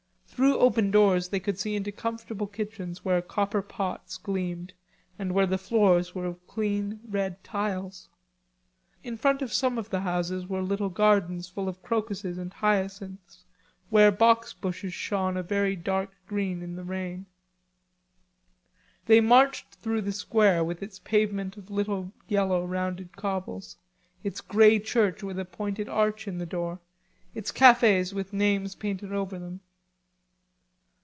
Through open doors they could see into comfortable kitchens where copper pots gleamed and where the floors were of clean red tiles. In front of some of the houses were little gardens full of crocuses and hyacinths where box bushes shone a very dark green in the rain. They marched through the square with its pavement of little yellow rounded cobbles, its grey church with a pointed arch in the door, its cafes with names painted over them.